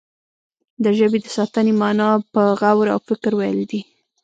د ژبې د ساتنې معنا په غور او فکر ويل دي.